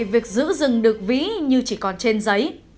việc giữ rừng được vĩ như chỉ còn trên giấy